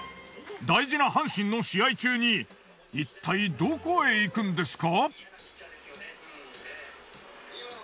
大事な阪神の試合中にいったいどこへ行くんですか？